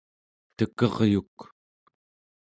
tekeryuk